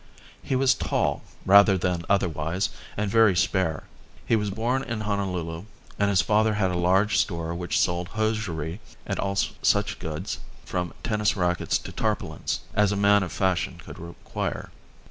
He was tall rather than otherwise and very spare. He was born in Honolulu and his father had a large store which sold hosiery and all such goods, from tennis racquets to tarpaulins, as a man of fashion could require.